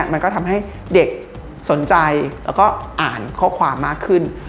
มันก็ทำให้เด็กสนใจแล้วก็อ่านข้อความมากขึ้น